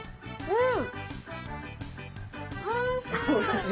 うん。